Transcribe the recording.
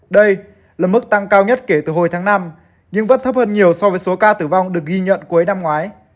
đây là mức tăng cao nhất kể từ hồi tháng năm nhưng vẫn thấp hơn nhiều so với số ca tử vong được ghi nhận cuối năm ngoái